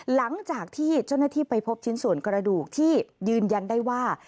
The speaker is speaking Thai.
หลังจากที่เจ้าหน้าที่ไปพบชิ้นส่วนกระดูกที่ยืนยันได้ว่า